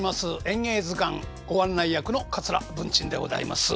「演芸図鑑」ご案内役の桂文珍でございます。